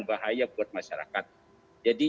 bahaya buat masyarakat jadi